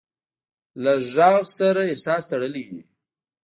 له غږ سره احساس تړلی وي.